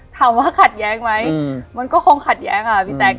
ถามว่าขัดแย้งไหมมันก็คงขัดแย้งค่ะพี่แจ๊ค